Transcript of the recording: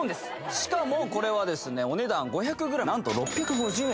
しかもこれはですねお値段５００ｇ何と６５０円